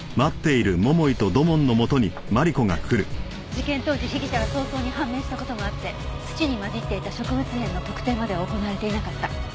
事件当時被疑者が早々に判明した事もあって土に混じっていた植物片の特定までは行われていなかった。